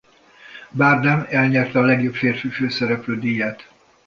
Bardem elnyerte a legjobb férfi főszereplő díját.